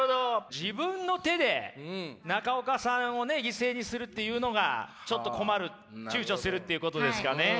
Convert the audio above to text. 自分の手で中岡さんを犠牲にするっていうのがちょっと困るちゅうちょするっていうことですかね？